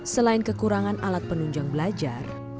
selain kekurangan alat penunjang belajar